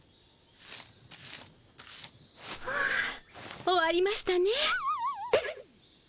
はあ終わりましたね。